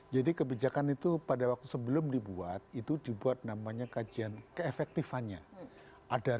jadi kebijakan itu pada waktu sebelum dibuat itu dibuat namanya kajian keefektifannya